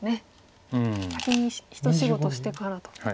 先に一仕事してからと。